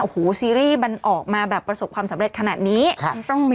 โอ้โหซีรีย์มันออกมาแบบประสบความสำเร็จขนาดนี้ค่ะต้องมีนะ